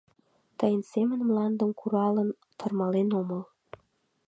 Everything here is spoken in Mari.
Тыйын семын мландым куралын, тырмален омыл.